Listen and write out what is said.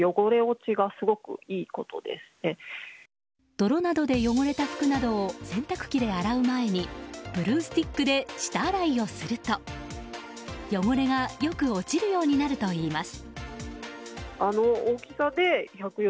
泥などで汚れた服などを洗濯機で洗う前にブルースティックで下洗いをすると汚れがよく落ちるようになるといいます。